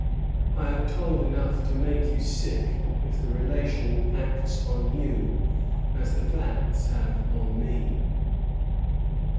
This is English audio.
I have told enough to make you sick, if the relation acts on you as the facts have on me."